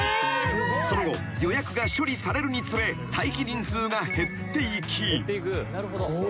［その後予約が処理されるにつれ待機人数が減っていき］